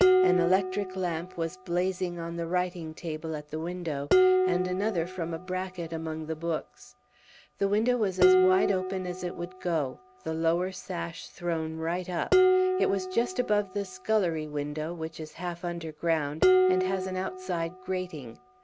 An electric lamp was blazing on the writing table at the window, and another from a bracket among the books. The window was as wide open as it would go, the lower sash thrown right up; it was just above the scullery window, which is half underground, and has an outside grating.